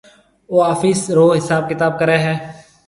او آفس رو حساب ڪتاب ڪرَي ھيََََ